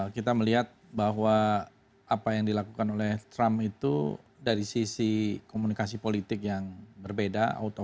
kita melihat bahwa apa yang dilakukan oleh trump itu dari sisi komunikasi politik yang berbeda out of the box